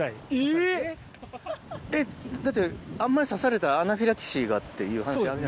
えっだってあんまり刺されたらアナフィラキシーがっていう話。